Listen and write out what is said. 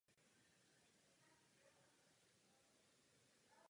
Symbol draka je možno nalézt ve znacích okolních sídel.